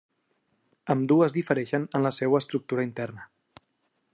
Ambdues difereixen en la seua estructura interna.